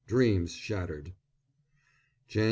Dreams shattered! _Jan.